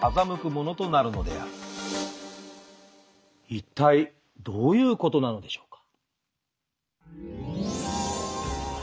一体どういうことなのでしょうか？